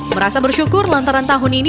merasa bersyukur lantaran tahun ini